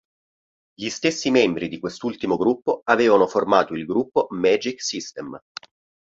Gli stessi membri di quest'ultimo gruppo avevano formato il gruppo Magic System.